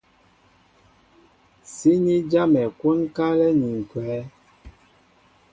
Síní jámɛ kwónkálɛ́ ni ǹkwɛ̌.